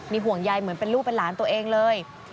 ห่วงใยเหมือนเป็นลูกเป็นหลานตัวเองเลย